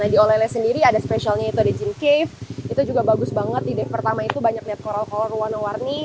di olele sendiri ada spesialnya itu ada gym cave itu juga bagus banget di dave pertama itu banyak lihat coral color warna warni